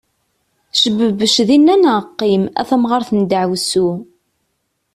Cbebec dinna neɣ qim, a tamɣaṛt n daɛwessu!